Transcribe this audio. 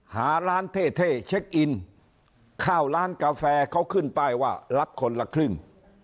หาร้านเท่เท่เช็คอินข้าวร้านกาแฟเขาขึ้นป้ายว่ารักคนละครึ่ง